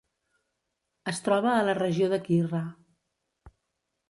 Es troba a la regió de Quirra.